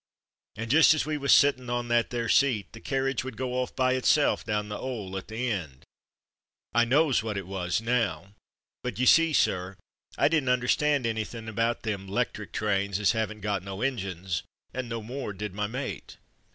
And just as we was sittin' on that there seat, the carriage would go off by itself down the 'ole at the end. I knows what it was now ; but ye see, sir, I didn't under stand anythin' about them 'lectric trains as 'aven't got no injuns, and no more did my mate."